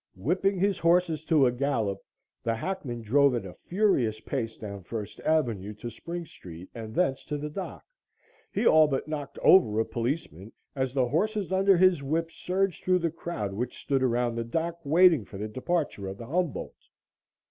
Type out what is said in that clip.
Whipping his horses to a gallop, the hackman drove at a furious pace down First Avenue to Spring Street and thence to the dock. He all but knocked over a policeman as the horses under his whip surged through the crowd which stood around the dock waiting for the departure of the "Humboldt."